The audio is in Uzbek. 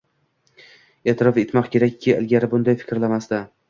E'tirof etmoq kerakki, ilgari bunday fikrlamasdi.